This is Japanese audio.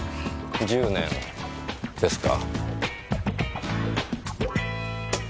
１０年ですか。